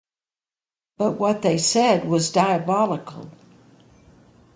But what they said was diabolical.